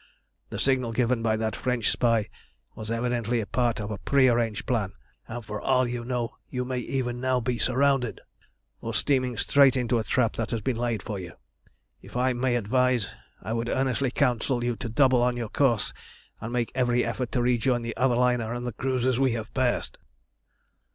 The signal given by that French spy was evidently part of a prearranged plan, and for all you know you may even now be surrounded, or steaming straight into a trap that has been laid for you. If I may advise, I would earnestly counsel you to double on your course and make every effort to rejoin the other liner and the cruisers we have passed."